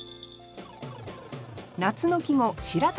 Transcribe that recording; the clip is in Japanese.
夏の季語「白玉」